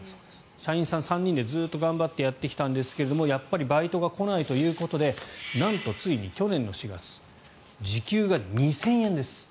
社員さん３人でずっと頑張ってやってきたんですがやっぱりバイトが来ないということでなんと、ついに去年４月時給が２０００円です。